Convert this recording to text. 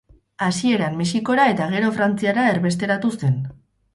Hasieran Mexikora eta gero Frantziara erbesteratu zen.